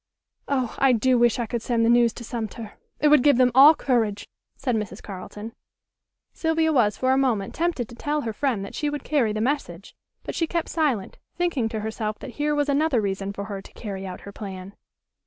"Oh! I do wish I could send the news to Sumter. It would give them all courage," said Mrs. Carleton. Sylvia was for a moment tempted to tell her friend that she would carry the message, but she kept silent, thinking to herself that here was another reason for her to carry out her plan.